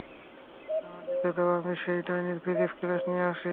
আমার যেতে দাও, আমি সেই ডাইনির ফিজিক্স ক্লাস নিয়ে আসি!